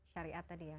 syari'at tadi ya